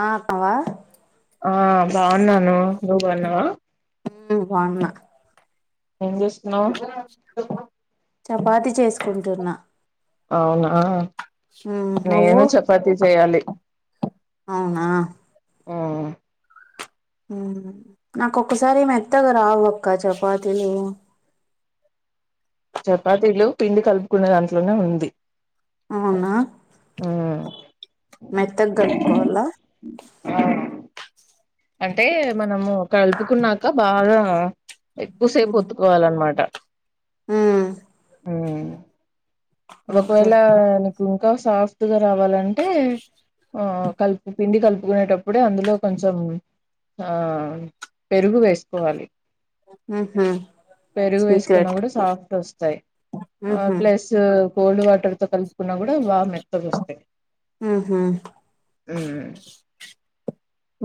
ఆ బాగున్నావా ఆ బావున్నాను నువ్ బవున్నావా నేను బాగున్నా ఏం చేస్తున్నావ్ చపాతి చేసుకుంటున్నా ఆవున ఆ ఉమ్ నువ్వు నేను చపాతీ చేయాలి అవునా ఆ నాకొక్కసారి మెత్తగా రావు అక్క చపాతీలు చపాతీలు పిండి కలుపుకునే దాంట్లోనే ఉంది అవునా ఉమ్ మెత్తగా కలుపుకోవాలా ఆ, అంటే మనము కలుపుకున్నాక బాగా ఎక్కువసేపు ఒత్తుకోవాలన్నమాట ఊ ఓకే ఒకవేళ నీకు ఇంకా సాఫ్ట్గా రావాలంటే ఆ కలుపు పిండి కలుపుకునేటప్పుడే అందులో కొంచెం ఆ పెరుగు వేసుకోవాలి ఉహు పెరుగు వేసుకున్నా సీక్రెట్ కూడా సాఫ్ట్ వస్తాయి ఆ ఉహు ప్లస్ కోల్డ్ వాటర్ తో కలుపుకున్నా కూడా బాగా మెత్తగా వస్తాయి ఉహు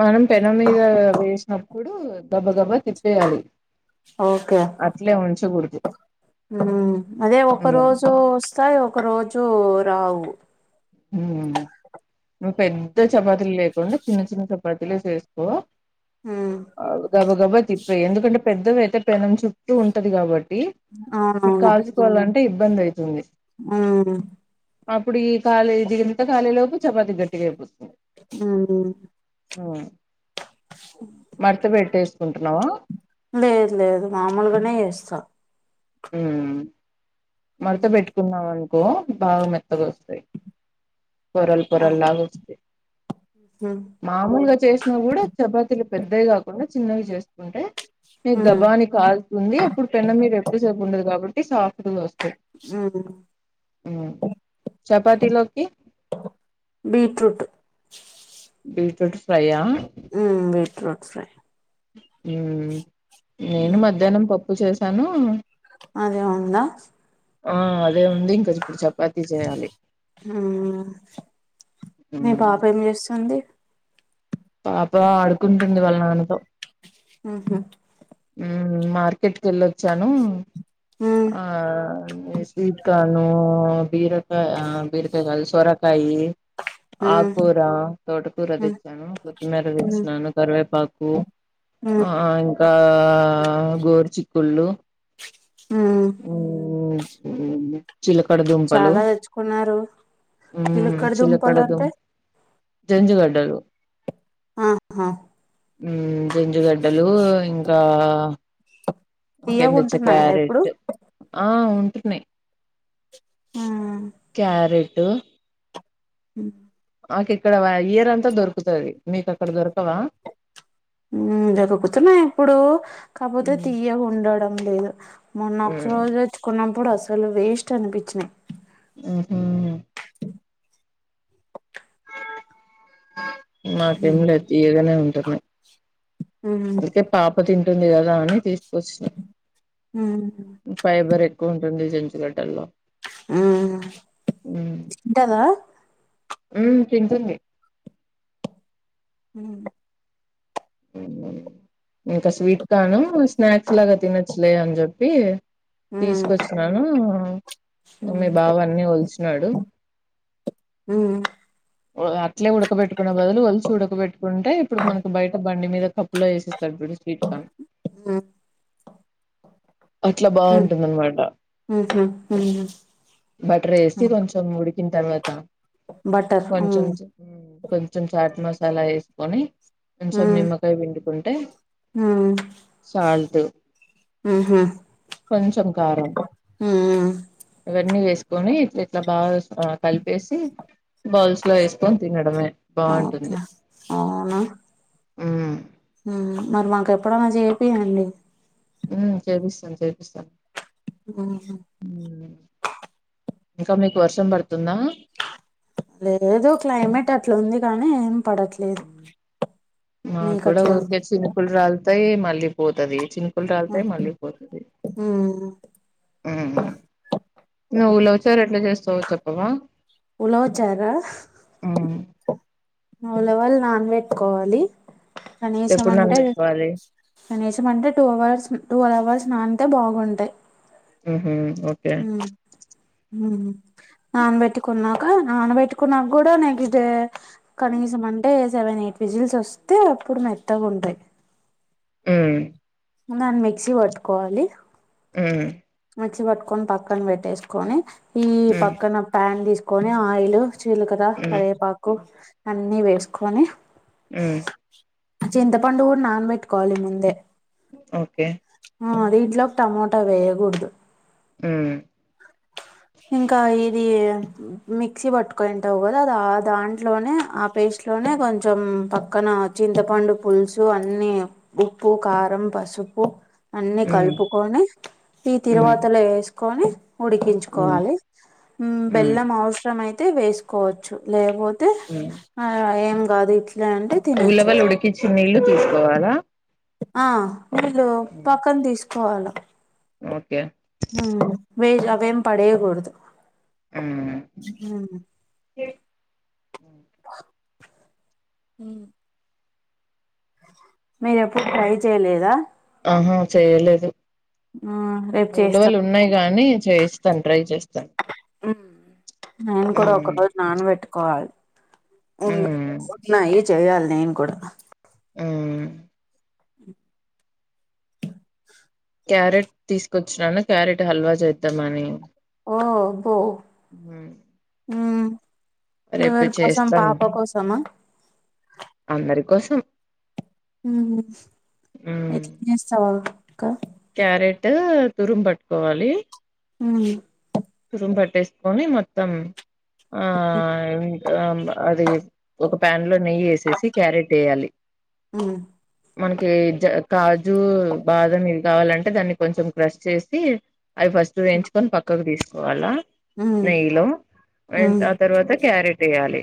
మనం పెనం మీద వేసి అప్పుడు గబ గబా తిప్పేయాలి ఓకే అట్లే ఉంచగూడ్దు ఉమ్ అదే ఒక రోజు వస్తాయ్ ఒక రోజు రావు అ నువ్ పెద్ద చపాతీలు లేకుండా చిన్న చిన్న చపాతీలె చేస్కో ఉమ్ అవ్ గబ గబ తిప్పెయ్ ఎందుకంటే పెద్దవి అయితే పెనం చుట్టూ ఉంటది కాబట్టి మీ అవునవును కాల్స్ అంటే ఇబ్బంది అయితుంది ఆ అప్పుడు ఈ ఖాళీ జిగింత కాలే లోపు చపాతి గట్టిగయిపోతుంది ఆ మర్త పెట్టేసుకుంటున్నావా లేదు లేదు మామూలుగనే యేస్తా హ్మ్ మడత ఉమ్ బెట్టుకున్నాం అనుకో బాగా మెత్తగొస్తయ్ పొరలు ఆ పొరలు లా వస్తయ్ ఉమ్ మామూలుగా చేసినా కూడా చపాతీలు పెద్దవి కాకుండా చిన్నవి చేసుకుంటే మీ ఉమ్ గబాని కాల్తుంది అప్పుడు పెన్నమ్ మీద ఎక్కువసేపు ఉండదు కాబట్టి సాఫ్ట్ గా వస్ చపాతీలోకి అ బీట్రూటు బీట్రూట్ ఫ్రైయా హ్మ్ బీట్రూట్ ఫ్రైయ్ ఉమ్ నేను మ్మ్ మధ్యాహ్నం పప్పు చేసాను అదే ఉందా ఆ అదే ఉంది ఇంక ఇప్పుడు చపాతీ చేయాలి మ్మ్ మీ ఉమ్. పాపేమ్ చేస్తుంది పాప ఆడుకుంటుంది వాళ్ళ నాన్నతో హ్మ్ హు హ్మ్ మార్కెట్ కెళ్ళొచ్చాను హ్మ్ ఆ స్వీట్ కార్నూ బీర ఆ బీరకాయ్ కాదు సోరకాయి మ్మ్ ఆకూర తోటకూర మ్మ్ దెచ్చాను కొత్తిమీర మ్మ్ తెచ్చినాను కరివేపాకు మ్మ్ ఆ ఇంకా గోరు చిక్కుళ్ళు హ్మ్ ఆ చిలకడ దంపలు చాలా తెచ్చుకున్నారు హ్మ్ చిలక్కడ దుంపలు చిలకడదుం అంటే జంజుగడ్డలు ఆహా హ్మ్ జంజుగడ్డలు ఇంకా ఇంకేం దెచ్చ తీయగుంటున్నాయా ఇప్పుడు క్యారెట్ ఆ ఉంటున్నయ్ మ్మ్ క్యారెటు ము మాకిక్కడ ఇయర్ అంతా దొరుకుతయ్ మీకక్కడ దొరకవా హ్మ్ దొరుకుతున్నయ్ ఇప్పుడు కాక్పోతే ఉమ్ తియ్యగుండడం లేదు మొన్న ఒక్క ఉమ్ రోజు తెచ్చుకున్నప్పుడు అసలు వేస్ట్ అనిపిచినయ్ హ్మ్ హు కా నాకేం లేదు తియగనే ఉంటున్నాయి మ్మ్ అందుకే పాప తింటుంది కదా అని తీసుకొచ్ మ్ ఫైబర్ ఎక్కువ ఉంటుంది జంచుగడ్డల్లో ఆ తీంటదా మ్ తింటుంది మ్ ఇంకా స్వీట్ కాను స్నాక్స్ లాగా తినొచ్చులే అని చెప్పి తీసుకొచ్చిన మీ బావ అన్ని వల్చినాడు మ్ అట్లే ఉడకబెట్టుకునే బదులు కలిసి ఉడకబెట్టుకుంటే ఇప్పుడు మనకి బయట బండి మీద క ప్పులో వేసిస్తాడు స్వీట్ కన్ అట్లా బాగుంటుందన్నమాట బటర్ వేసి కొంచెం ఉడికిన తారువాత బటర్ కొంచెం కొంచెం చాట్ మసాలా వేసుకొని కొంచెం నిమ్మక్ కాయ పిండుకుంటే సాల్ట్ కొంచెం కారం మ్ ఇవన్నీ వేసుకొని ఇట్లా బాగా అ కలిపేసి బౌల్స్ లో వేసుకొని తినడమే ఓకే బాగుంటుంది మ్ మ్ మరి మాకు ఎప్పుడనా చేపియండి మ్ చూపిస్తాను చపిస్తాను మ్ హు ఇంకా మీకు వర్షం పడుతుందా లేదు క్లైమేట్ అట్లుంది కానీ ఏం పడట్లే మా కూడా అట్లా ఊరికే చినుకులు రాలుతాయి మళ్ళీ పోతది చిన్ కులు రాలుతాయి మళ్ళీ పోతదిమ్ నువ్ లో సార్ ఎట్లా చేస్తావో చెప్పవా ఉలవ చారా ఉమ్. ఉలవలు నాన్ పెట్టుకోవాలి కనీసం ఎప్పుడు అంటే నానబెట్టుకోవాలి కానిసమంటే టూ అవర్స్ టూవెల్ అవర్స్ నానీతే బాగుంటాయి మ్ హు ఓకే నానబెట్టుకున్నాక నానబెట్టుకున్నాక కూడా నెక్స్ట్ డే కనీసం అంటే సెవెన్ ఎయిట్ విజిల్స్ వస్తే అప్పుడు మెత్తగా ఉంటాయి మ్ దన్ మిక్సీ పట్టుకోవాలి మ్ మిక్సీ పట్టుకొని పక్కన పెట్టేసుకొని ఈ హ్మ్ పక్కన ప్యాన్ తీసుకొని ఆయిల్ జీలకర హ్మ్ కరివేపాకు అన్నీ వేసుకొని మ్ చింతపండు కూడా నానబెట్టుకోవాలి ముందే ఓకే ఆ అదిట్లోక్ టమోటా వేయకూడదు మ్ ఇంకా ఇది మిక్సీ పట్టుకుని ఉంటావు కదా రా ఆ దాంట్లోనే ఆ పేస్ట్ లోనే కొంచెం పక్కన చింతపండు పులుసు అన్నీ ఉప్పు కారం పసుపు అన్ని హ్మ్ కలుపుకొని ఈ హ్మ్ తిరువాతలో ఏసుకొని ఉడికిం హ్మ్ కోవాలి హ్మ్ బెల్లం అవసరం అయితే వేసుకోవచ్చు లేకపోతే హ్మ్ ఆ ఏం గాదు ఇట్ల అంటే తినొచ్చు ఉలవలు ఇట్లా ఉడికిచ్చి నీళ్లు తీసుకోవాలా ఆ నీళ్ళు హ్మ్. పక్కన తీసుకోవాల ఓకే ఉ వే అవేం పడేయకూడదు ఉ ఉ మీరే ఎప్పుడు ట్రై జేయలేదా అహా చేయలేదు ఆ రేపు చేస్తా ఉలువలు ఉన్నాయి గానీ చేసి సన్ రైజ్ చేస్తాను నేను కూడా ఒక హ్మ్ రోజు నానబెట్టుకోవాలి ఉం హ్మ్ ఉన్నాయి చెయాలి నేను కూడా ఉమ్ క్యారెట్ తీసుకొచ్చినాను క్యారెట్ హల్వా జేద్దామని ఓ పో ఉమ్ రేపు ఎవరి కోసం చేస్తాను పాప కోసమ అందరి కోసం ఉ ఎట్ల చేస్తవ్ అక్క క్యారెటు తురుం పట్టుకోవాలి ఉ తురుం పట్టేసుకొని మొత్తం ఆ అది ఒక ప్యాన్లో నెయ్యి వేసేసి క్యారెట్ ఎయ్యలి ఉమ్ మనకి జ కాజు బాదం ఇవి కావాలంటే దాన్ని కొంచెం క్రష్ చేసి అవి ఫస్ట్ వేయించుకొని పక్కకు తీసుకోవాలా ఉమ్ నెయ్యిలో ఆ తర్వాత క్యారెట్ వేయ్యాలి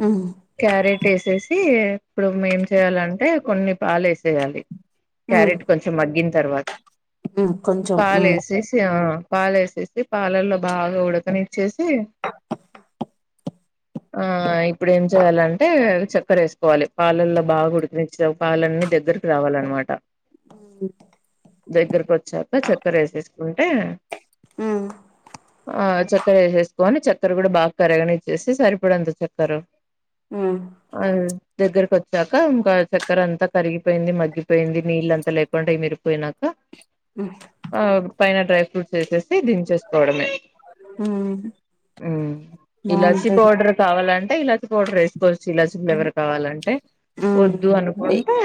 హమ్ క్యారెట్ ఏసేసి ఇప్పుడు ఏం చేయాలంటే కొన్ని పాలు వేసేయాలి ఉమ్ క్యారెట్ కొంచెం మగ్గిన్ తర్వాత ఉమ్ కొంచెం పాలు ఉమ్ వేసేసి ఆ పాలేసేసి పాలల్లో బాగా ఉడకనిచ్చేసి ఆ ఇప్పుడు ఏం చేయాలంటే చక్కర వేసుకోవాలి పాలల్లో బాగుడు పాలన్నీ దగ్గరకి రావాలనమాట ఉ దగ్గరకు వచ్చాక చక్కర వేసేసుకుంటే హు ఆ చక్కెర వేసేసుకొని చక్కెర కూడ బాగ కరగనిచ్చేసి సరిపడింత చక్కర ఆ ఆ దగ్గరకి వచ్చాక ఇంకా చక్కెర అంత కరిగిపోయింది మగ్గిపోయింది నీళ్లు అంతా లేకుండా ఇమీరు పోయినాక అ పైన డ్రై ఫ్రూట్స్ వేసేసి దింపేసి డమే ఉమ్ హమ్ ఇలాచి బాగుంటది పౌడర్ కావాలంటే ఇలాచి పౌడర్ వేసుకోవచ్చు ఇలాచి ఫ్లేవర్ కావాలంటే ఉమ్ వద్దు అనుకుంటే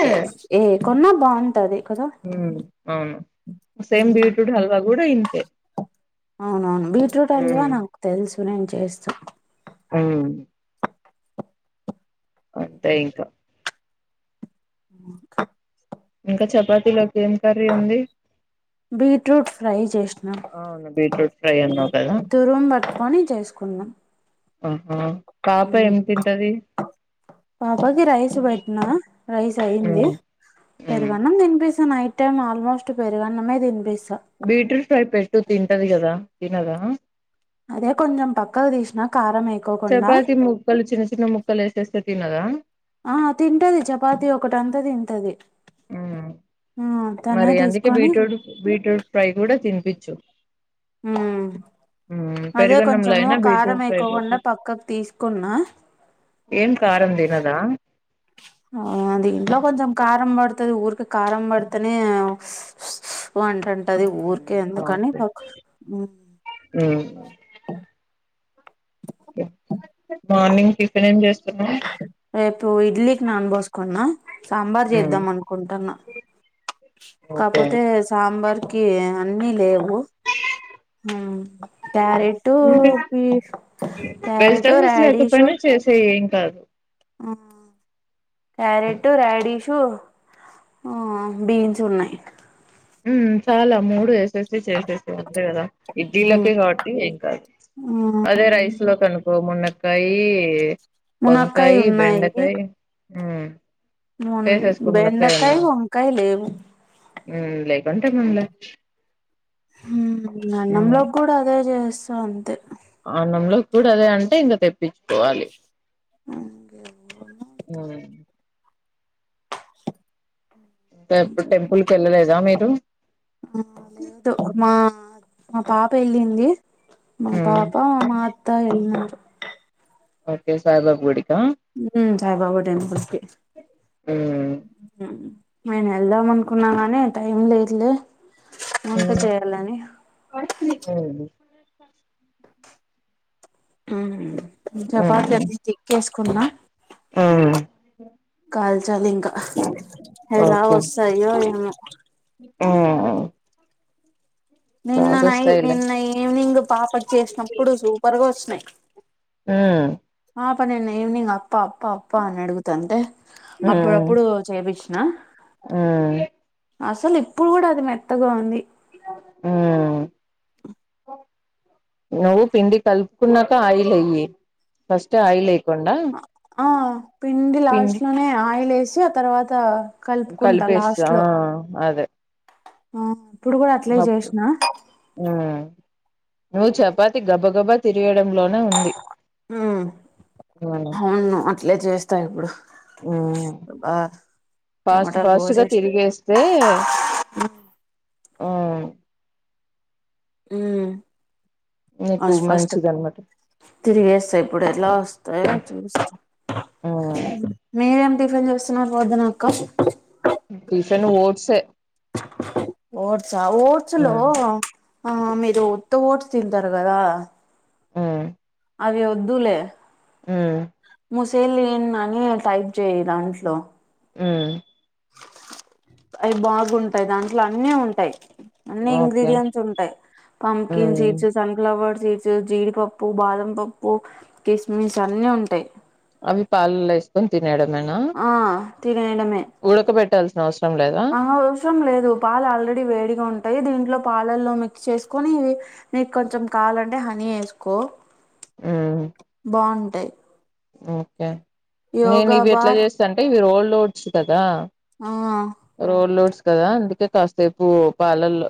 ఏ కొన్నా బాగుంటది కదా హు అవును సేమ్ ఉమ్ బీట్రూట్ హల్వా కూడా ఇంతే. అవునవును బీట్రూట్ హల్వ నాకు తెలుసు నేను చేస్తా. ఉమ్. అంతే ఇంకా. ఇంకా చపాతిలోకి ఏం కర్రీ ఉంది. బీట్రూట్ ఫ్రై చేసిన. అవును బీట్రూట్ ఫ్రై అన్నావు కదా. దూరం పట్టుకొని చేసుకున్నాం ఆహ్ పాప ఏం తింటది. పాపాకి రైస్ పెట్టినా రైస్. ఏంది ఉమ్, ఉమ్. పెరుగన్నం తినిపిస్తా నైట్ టైమ్ ఆల్మోస్ట్ పెరుగన్నమే తినిపిస్తా బీట్రూట్ ఫ్రై పెట్టు తింటది కదా తినదా. అదే కొంచెం పక్కకు తీసిన కారం మై. చపాతి ముక్కలు చిన్న చిన్న ముక్కలు ఏసేస్తే తిన్నదా. ఆహ్ తింటది చపాతి ఒకటంతా తింటది. ఉమ్. ఆహ్ తనే మరి అందుకే తీసుకొని. బీట్రూట్ బీట్రూట్ ఫ్రై కూడా తినిపించ్చు. ఉమ్ అదే పెరుగన్నంలో కొంచెము అయినా కారం బీట్రూట్ ఫ్రై పెట్టి ఏకోకుండా పక్కకు తీసుకున్నా. ఏం కారం తినదా. ఆహ్ దీంట్లో కొంచెం కారం పడుతాది ఊరికే కారం పడతానే స్. స్ స్ అంటుంటది ఊరికే ఉమ్, ఎందుకని ఓకే పక్ ఉమ్. ఉమ్. మార్నింగ్ టిఫిన్ ఏం చేస్తున్నారు. రేపు ఇడ్లీకి నాన్ బోస్కున్నా సాంబార్ ఉమ్ చేద్దాం అనుకుంటున్నా ఓకే కాకపోతే. సాంబార్కి అన్నీ లేవు. ఆహ్ క్యారెట్టు అంటే బి వెజిటబుల్స్ లేకపోయినా చేసేయ్ ఏం కాదు క్యారెట్ రాడిష్. ఆహ్ బీన్స్ ఉన్నాయి. ఉమ్ చాలు ఆ మూడు వేసేసి చేసేసై అంతే కదా ఉమ్ ఇడ్లీలకి కాబట్టి ఏం కాదు. ఆ అదే రైస్లకు అనుకో మునక్కయి. మునక్కాయ వంకాయ ఉన్నాయి బెండకాయ ఉమ్. వేసేసుకో మునక్కాయ బెండకాయ అన్నా వంకాయ లేవు. ఉమ్ లేకుంటే మన్లే. ఉమ్ అన్నంలోకి కూడా అదే చేస్తా అంతే. అన్నంలో కూడా అదే అంటే ఇంకా తెప్పించుకోవాలి. ఉమ్. ఎప్పుడు టెంపుల్కెళ్ళలేదా మీరు. ఆహ్ మా. మా పాప ఏళ్ళింది మా ఉమ్ పాప మా అత్త ఏళ్ళినారు. ఓకే సాయిబాబా గూడికా. ఉమ్ సాయిబాబా టెంపల్స్కి ఉమ్. నేను వెళ్దాం అనుకున్నా గాని టైం లేదులే వంట చేయాలని. వు [unintelligible] ఆహ్ చపాత అన్నీ చెక్ చేసుకున్నా [unintelligible] ఆ కాల్చాలి ఇంకా ఎలా వస్తాయో ఏమో ఉం నిన్న నై బాగొస్తాయిలే నిన్న ఈవినింగ్ పాపడ్ చేసినప్పుడు సూపర్గా వచ్చినయి ఉం పాప నిన్న ఈవినింగ్ అప్ప అప్ప అప్ప అని అడుగుత అంటే అప్పుడప్పుడు చేపిచినా ఉం అసలు ఇప్పుడు కూడా అది మెత్తగా ఉంది ఉం నువ్వు పిండి కలుపుకున్నాక ఆయిల్ వేయ్యి ఫస్ట్ ఆయిల్ అయి ఆ పిండి లాస్ట్ లోనే ఆయిల్ వేసి ఆ తర్వాత కలుపుకుంటా కలిపేస్తా లాస్ట్ లో అదే ఆ ఇప్పుడు కూడా అట్ల చేసినా ఉం నువ్వు చపాతి గబ గబా తిరిగేయడంలోనే ఉంది ఉం అవును అట్లే చేస్తా ఇప్పుడు ఉం బా ఫాస్ట్ చెమటలు ఫాస్ట్గా పోసేసిన తిరిగేసి తే ఉం ఉం కు మన్సిజన్ట [unintelligible] తిరిగేస్తా ఇప్పుడు ఎలా వస్తాయ చూస్తా మీరేమి టిఫెన్ చేస్తున్నారు పొద్దున అక్క టిఫిన్ ఓట్స్ ఓట్సా ఓట్స్ లో ఉమ్ ఆ మీరు ఉత్త ఓట్స్ తింటారు కదా ఉం అవి వద్దులే ఉం ముూసేలు [unintelligible] ఏ అని టైప్ చేయయి దాంట్లో ఉం అవి బాగుంటాయి దాంట్లో అన్నీ ఉంటాయి అన్ని ఓకే ఇంగ్రిడియంట్స్ ఉంటాయి పంపికిన్ ఉమ్ సీడ్స్ సన్ఫ్లవర్ సీడ్స్ జీడిపప్పు బాదం పప్పు కిస్మిస్ అన్ని ఉంటాయి అవి పాలలో వేసుకొని తినేయడమేనా ఆ తినేయడమే ఉడకబెట్టాల్సిన అవసరం లేదా ఆ అవసరం లేదు పాలు ఆల్రెడీ వేడిగా ఉంటాయి దీంట్లో పాలల్లో మిక్స్ చేసుకొని నీకు కొంచెం కావాలంటే హనీ వేసుకో ఉమ్ బాగుంటాయి ఓకే నేను యోగా ఇవి ఎట్లా బార్ చేస్తా అంటే ఇవి ఓల్డ్ ఓట్స్ కదా హౌ ఆ రోడ్ [unintelligible] లోడ్స్ కదా అందుకే కాససేపు పాలలు